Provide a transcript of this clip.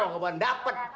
gak mau dapet